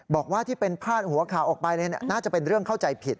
บอกว่าที่เป็นพาดหัวข่าวออกไปน่าจะเป็นเรื่องเข้าใจผิด